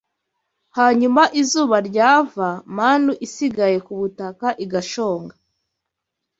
Hanyuma izuba ryava, manu isigaye ku butaka igashonga